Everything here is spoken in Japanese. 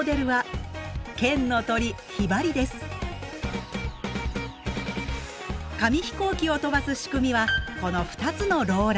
紙飛行機を飛ばす仕組みはこの２つのローラー。